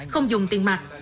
không dùng tiền mặt